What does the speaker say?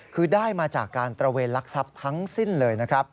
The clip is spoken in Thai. คือได้มาจากการเตรียมรักษัพทั้งสิ้นเลย